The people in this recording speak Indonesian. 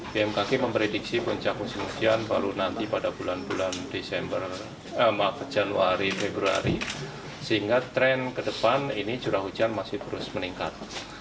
bmkg memprediksi puncak musim hujan baru nanti pada bulan bulan januari februari sehingga tren ke depan ini curah hujan masih terus meningkat